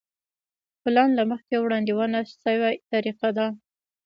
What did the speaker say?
پلان له مخکې وړاندوينه شوې طریقه ده.